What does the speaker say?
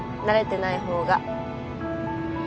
慣れてない方が。